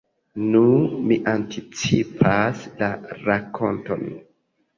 Nu, mi anticipas la rakonton.